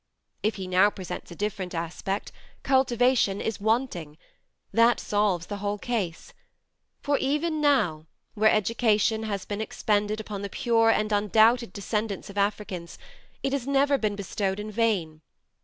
If he now presents a different aspect, cultivation is wanting that solves the whole case: for, even now, where education has been expended upon the pure and undoubted descendants of Africans, it has never been bestowed in vain.